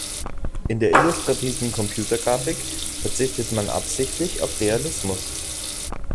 In der illustrativen Computergrafik verzichtet man absichtlich auf Realismus.